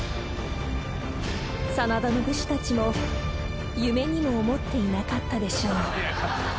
［真田の武士たちも夢にも思っていなかったでしょう］